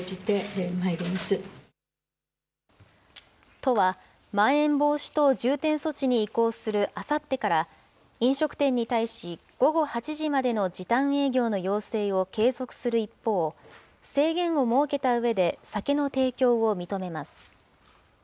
都は、まん延防止等重点措置に移行するあさってから、飲食店に対し、午後８時までの時短営業の要請を継続する一方、制限を設けたうえで、酒の提供を認めます。